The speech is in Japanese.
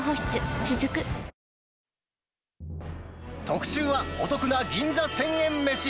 特集は、お得な銀座１０００円飯。